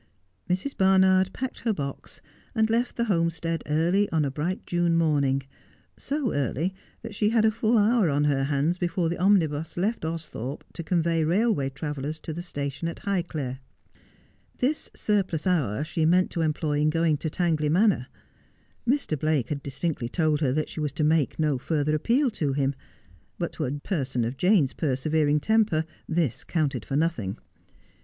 Mrs. Barnard packed her box, and left the Homestead early on a bright June morning, so early that she had a full hour on her hands before the omnibus left Austhorpe to convey railway travellers to the station at Highclere. This surplus hour she 266 Just as I Am. meant to employ in going to Tangley Manor. Mr. Blake had distinctly told her that she was to make no further appeal to him ; but to a person of Jane's persevering temper this counted for nothing.